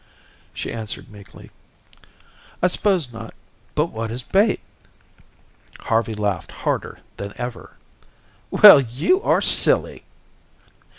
She answered meekly: "I s'pose not, but what is bait?" Harvey laughed harder than ever. "Well, you are silly."